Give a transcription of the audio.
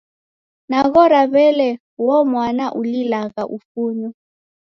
Naghora w'elee, uo mwana ulilagha ufunyo.